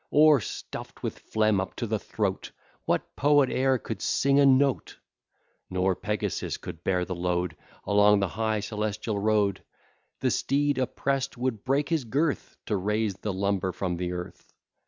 Or, stuff'd with phlegm up to the throat, What poet e'er could sing a note? Nor Pegasus could bear the load Along the high celestial road; The steed, oppress'd, would break his girth, To raise the lumber from the earth.